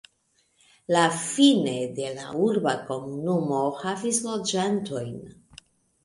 La Fine de la urba komunumo havis loĝantojn.